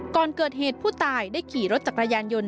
ก่อนเกิดเหตุผู้ตายได้ขี่รถจักรยานยนต์